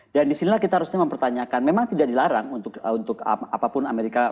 dan disinilah kita harusnya mempertanyakan memang tidak dilarang untuk apapun amerika